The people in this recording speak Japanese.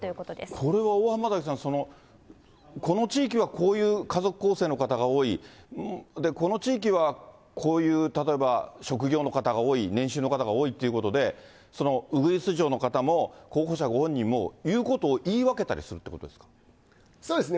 これは大濱崎さん、この地域はこういう家族構成の方が多い、この地域はこういう、例えばこういう職業の方が多い、年収の方が多いということで、うぐいす嬢の方も候補者ご本人も、言うことを言い分けたりするといそうですね。